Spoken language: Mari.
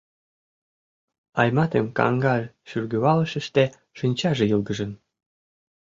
Айматын каҥга шӱргывылышыште шинчаже йылгыжын.